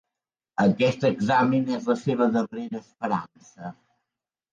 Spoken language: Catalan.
Aquest examen és la meva darrera esperança.